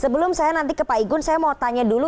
sebelum saya nanti ke pak igun saya mau tanya dulu